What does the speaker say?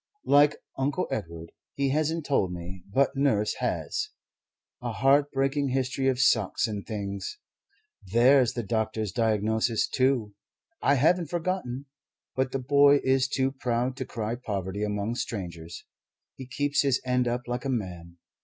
like Uncle Edward. He hasn't told me, but Nurse has a heart breaking history of socks and things. There's the doctor's diagnosis, too. I haven't forgotten. But the boy is too proud to cry poverty among strangers. He keeps his end up like a man.